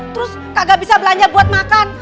terus kagak bisa belanja buat makan